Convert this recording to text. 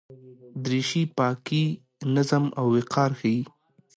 دریشي پاکي، نظم او وقار ښيي.